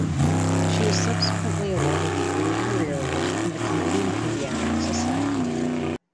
She was subsequently awarded the Early Career Award from the Canadian Paediatric Society.